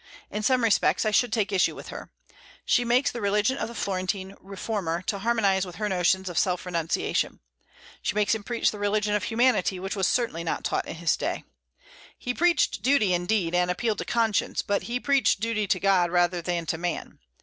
In some respects I should take issue with her. She makes the religion of the Florentine reformer to harmonize with her notions of self renunciation. She makes him preach the "religion of humanity," which was certainly not taught in his day. He preached duty, indeed, and appealed to conscience; but he preached duty to God rather than to man.